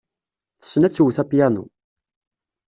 Tessen ad twet apyanu.